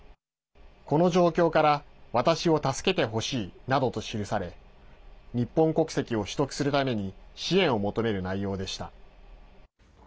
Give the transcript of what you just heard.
「この状況から私を助けてほしい」などと記され日本国籍を取得するために支援を求める内容でした。